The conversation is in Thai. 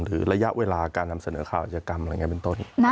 ระยะเวลาการนำเสนอข่าวอาจกรรมอะไรอย่างนี้เป็นต้น